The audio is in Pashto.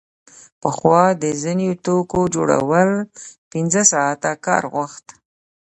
پخوا د ځینو توکو جوړول پنځه ساعته کار غوښت